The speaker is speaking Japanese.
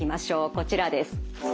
こちらです。